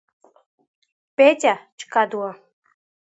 Петиа Ҷкадуа.